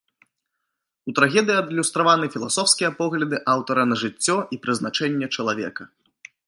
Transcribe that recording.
У трагедыі адлюстраваны філасофскія погляды аўтара на жыццё і прызначэнне чалавека.